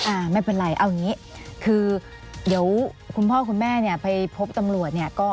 อ่าไม่เป็นไรเอาอย่างนี้คือเดี๋ยวคุณพ่อคุณแม่เนี่ยไปพบตำรวจเนี่ยก็